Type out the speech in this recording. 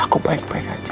aku baik baik aja